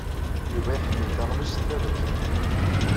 Yuba iḥemmel taɣlust taberkant.